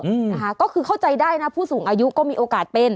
อืมนะคะก็คือเข้าใจได้นะผู้สูงอายุก็มีโอกาสเป็น